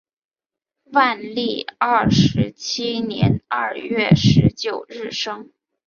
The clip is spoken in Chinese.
万历二十七年二月十九日生。